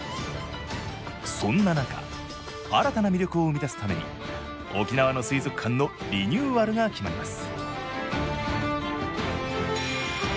そんな中新たな魅力を生み出すために沖縄の水族館のリニューアルが決まります